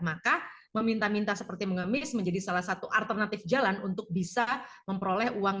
maka meminta minta seperti mengemis menjadi salah satu alternatif jalan untuk bisa memperoleh uang